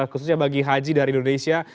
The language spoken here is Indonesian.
khususnya bagi haji dari indonesia